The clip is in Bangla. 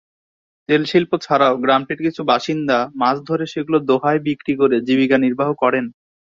তেল শিল্প ছাড়াও গ্রামটির কিছু বাসিন্দা মাছ ধরে সেগুলো দোহায় বিক্রি করে জীবিকা নির্বাহ করেন।